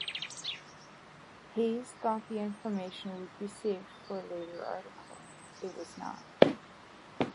Hayes thought the information would be saved for a later article; it was not.